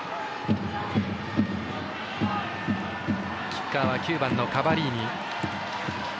キッカーは９番のカバリーニ。